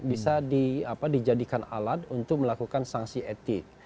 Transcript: bisa dijadikan alat untuk melakukan sanksi etik